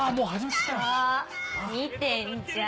あ見てんじゃん。